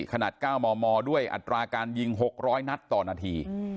ขนาดก้าวมอมอได้อัตราการยิงหกร้อยหนัดต่อนาที